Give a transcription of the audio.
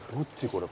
これ。